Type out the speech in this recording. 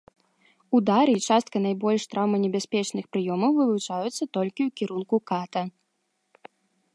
Удары і частка найбольш траўманебяспечных прыёмаў вывучаюцца толькі ў кірунку ката.